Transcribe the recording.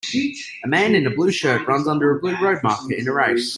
A man in a blue shirt runs under a blue road marker in a race.